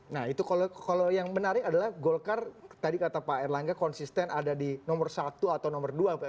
nah itu kalau yang menarik adalah golkar tadi kata pak erlangga konsisten ada di nomor satu atau nomor dua